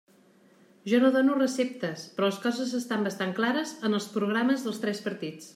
Jo no dono receptes, però les coses estan bastant clares en els programes dels tres partits.